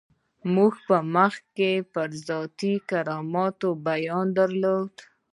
موږ مخکې پر ذاتي کرامت بیان درلود.